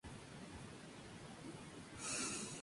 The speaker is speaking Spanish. Sin embargo, vuelve unos días más tarde.